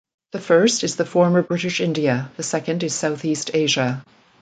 The first is the former British India, the second is Southeast Asia.